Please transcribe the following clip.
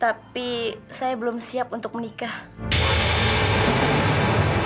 tapi saya belum siap untuk menikah